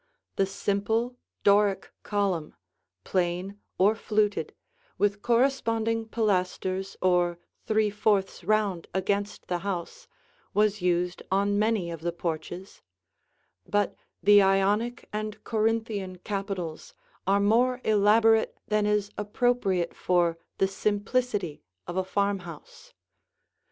The simple, Doric column, plain or fluted, with corresponding pilasters or three fourths round against the house, was used on many of the porches; but the Ionic and Corinthian capitals are more elaborate than is appropriate for the simplicity of a farmhouse.